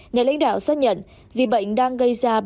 nhà lãnh đạo xác nhận dịch bệnh đang gây ra biến động